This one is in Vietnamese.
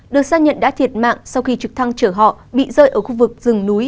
được xác nhận đã thiệt mạng sau khi trực thăng chở họ bị rơi ở khu vực rừng núi